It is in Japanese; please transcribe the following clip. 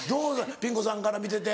ピン子さんから見てて。